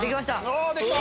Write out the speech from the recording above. ああできた！